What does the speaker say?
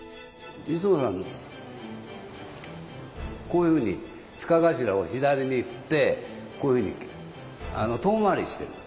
こういうふうに柄頭を左に振ってこういうふうに遠回りしてる。